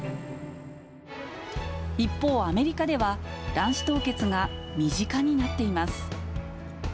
一方、アメリカでは卵子凍結が身近になっています。